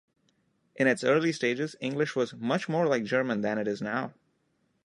In its early stages English was much more like German than it is now.